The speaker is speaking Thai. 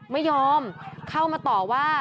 ไม่ยอมเข้ามาต่อว่า